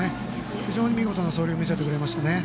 非常に見事な走塁を見せてくれましたね。